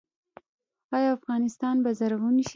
آیا افغانستان به زرغون شي؟